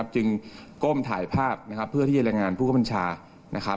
จึงก้มถ่ายภาพเพื่อที่จะแรงงานผู้กำลังชา